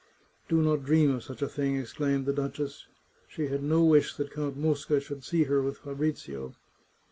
" Do not dream of such a thing," exclaimed the duchess ; she had no wish that Count Mosca should see her with Fa brizio.